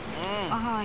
はい。